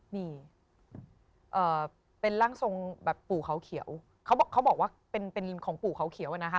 นี่เป็นร่างทรงแบบปู่เขาเขียวเขาบอกว่าเป็นเป็นของปู่เขาเขียวอะนะคะ